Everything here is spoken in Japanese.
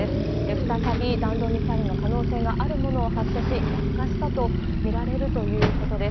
再び弾道ミサイルの可能性があるものを発射し、落下したと見られるということです。